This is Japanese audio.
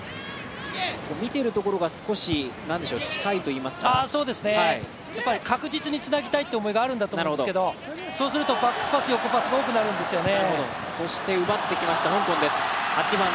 見ているところが少し近いといいますか確実につなぎたいという思いがあるんだと思うんですけどそうすると、バックパス横パスが多くなるんですよね。